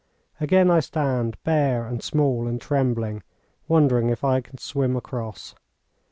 Again I stand, bare and small and trembling, wondering if I can swim across.